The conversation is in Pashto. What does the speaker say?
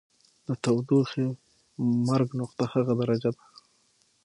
د تودوخې مرګ نقطه هغه درجه ده.